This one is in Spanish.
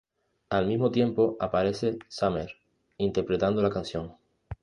Al mismo tiempo aparece Summer, interpretando la canción.